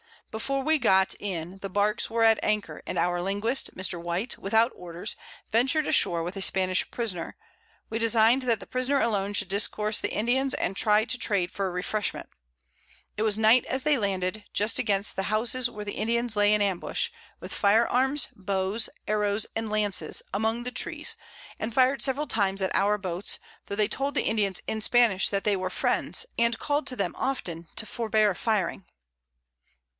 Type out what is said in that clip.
Before we got in, the Barks were at Anchor, and our Linguist, Mr. White, without Orders, ventur'd a shore with a Spanish Prisoner; we design'd that the Prisoner alone should discourse the Indians, and try to trade for a Refreshment: It was Night as they landed, just against the Houses where the Indians lay in Ambush, with Fire Arms, Bows, Arrows, and Lances, among the Trees, and fir'd several Times at our Boats, tho' they told the Indians in Spanish, that they were Friends, and call'd to them often to forbear firing.